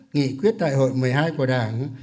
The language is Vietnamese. nghị quyết đại hội một mươi hai của đảng